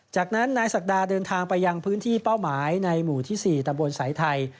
จากนั้นนายศักดาเดินทางไปยังพื้นที่เป้าหมายในหมู่ที่๔ตำบลสายไทย